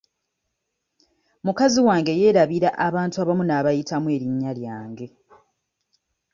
Mukazi wange yeerabira abantu abamu n'abayitamu erinnya lyange.